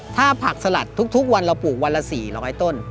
ถ้าผักสลัดทุกวันเราปลูกวันละ๔๐๐ต้น